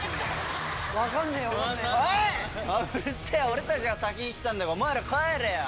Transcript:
俺たちが先に来たんだからお前ら帰れよ。